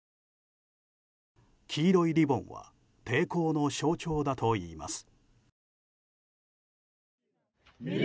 黄色いリボンは抵抗の象徴だといいます。